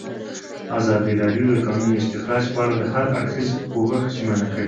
ازادي راډیو د د کانونو استخراج په اړه د هر اړخیز پوښښ ژمنه کړې.